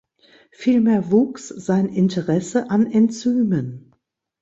Vielmehr wuchs sein Interesse an Enzymen.